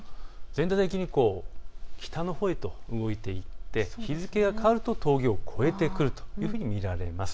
全体的に北のほうへと動いていて日付が変わると峠を越えてくるというふうに見られます。